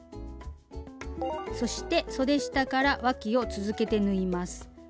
そしてそで下からわきを続けて縫います。